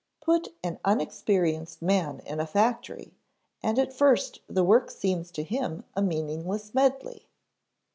Put an unexperienced man in a factory, and at first the work seems to him a meaningless medley.